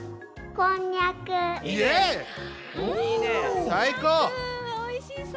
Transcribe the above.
こんにゃくおいしそう。